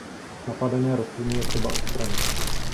Napadené rostliny je třeba odstranit.